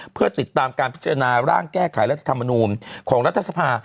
เพื่อติดตามการพิจารณาร่างแก้ไขรัฐธรรมนูลของรัฐสภา